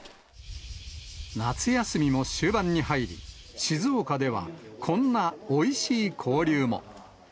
夏休みも終盤に入り、静岡ではこんなおいしい交流も。